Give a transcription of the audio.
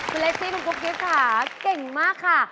คุณเลฟี่คุณกุ๊กกิ๊บค่ะเก่งมากค่ะ